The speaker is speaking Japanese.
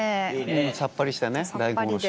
さっぱりした大根おろし。